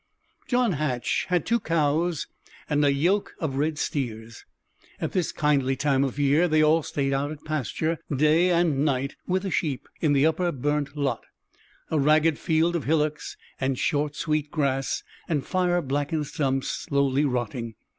John Hatch had two cows and a yoke of red steers. At this kindly time of year they all stayed out at pasture, day and night, with the sheep, in the upper burnt lot a ragged field of hillocks and short, sweet grass, and fire blackened stumps slowly rotting.